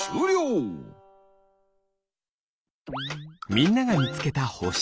みんながみつけたほし。